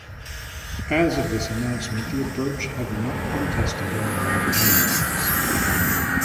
As of this announcement the approach had not been tested in live animals.